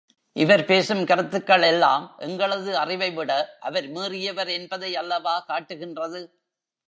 இவர் பேசும் கருத்துக்கள் எல்லாம் எங்களது அறிவை விட அவர் மீறியவர் என்பதை அல்லவா காட்டுகின்றது?